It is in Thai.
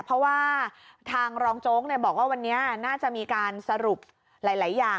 เพราะว่าทางรองโจ๊กบอกว่าวันนี้น่าจะมีการสรุปหลายอย่าง